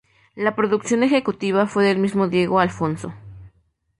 La producción ejecutiva fue del mismo Diego Alfonso.